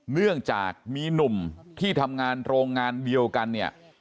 เนื่องจากมีหนุ่มที่ทำงานโรงงานเดียวกันเนี่ย